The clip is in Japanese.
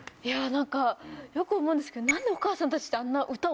何かよく思うんですけど。